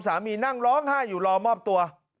นั่งร้องไห้อยู่รอมอบตัว